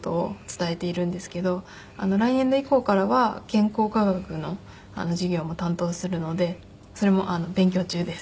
来年度以降からは健康科学の授業も担当するのでそれも勉強中です。